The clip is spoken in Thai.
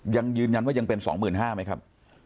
ยังยืนยันว่ายังเป็นสองหมื่นห้าไหมครับ